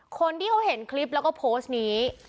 คนที่เขาเห็นคลิปแล้วก็โพสต์นี้